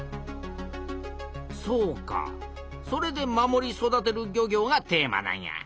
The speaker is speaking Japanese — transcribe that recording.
そうかそれで「守り育てる漁業」がテーマなんや。